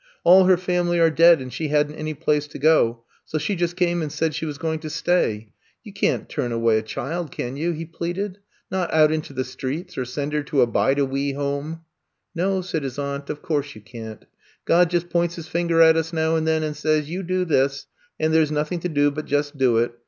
All her family are dead and she had n 't any place to go; so she just came and said she was going to stay. You can't turn away a 82 I'VE COMB TO STAY child, can youf he pleaded. Not out into the streets or send her to a Bide a Wee Home?" *^No,'* said his aunt, of course you can 't. God just points His fingor at us now and then and says, *You do this,' and there 's nothing to do but just do it.